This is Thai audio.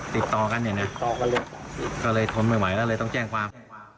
ติดต่อกันเนี่ยนะก็เลยทนไม่ไหวก็เลยต้องแจ้งความ